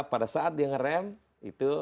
pada saat dia ngerem itu